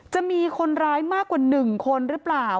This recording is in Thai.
จะมีคนร้ายมากกว่า๑คนหรือเปล่า